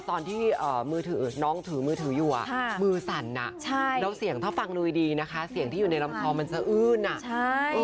ตอนที่มือถือน้องถือมือถืออยู่มือสั่นแล้วเสียงถ้าฟังดูดีนะคะเสียงที่อยู่ในลำคอมันสะอื้นอ่ะใช่